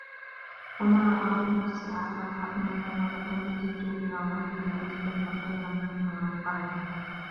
وما أظن الساعة قائمة ولئن رددت إلى ربي لأجدن خيرا منها منقلبا